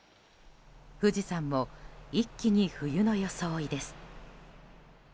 富士山も一気に冬の装いです。